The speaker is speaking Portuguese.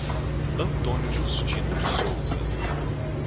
Antônio Justino de Souza